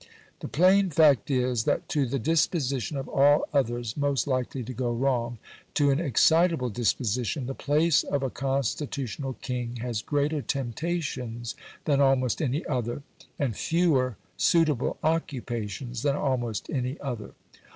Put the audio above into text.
The plain fact is, that to the disposition of all others most likely to go wrong, to an excitable disposition, the place of a constitutional king has greater temptations than almost any other, and fewer suitable occupations than almost any other.